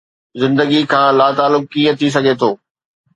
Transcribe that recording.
زندگي کان لاتعلق ڪيئن ٿي سگهي ٿو؟